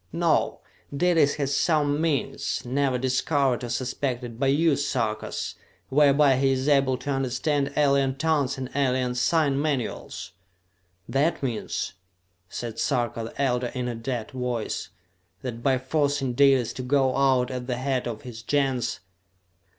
No, Dalis has some means, never discovered or suspected by you Sarkas, whereby he is able to understand alien tongues and alien sign manuals!" "That means," said Sarka the Elder in a dead voice, "that by forcing Dalis to go out at the head of his Gens...."